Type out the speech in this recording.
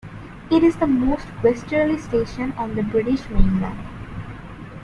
It is the most westerly station on the British mainland.